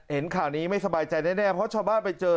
เห็นข่าวนี้ไม่สบายใจแน่เพราะชาวบ้านไปเจอ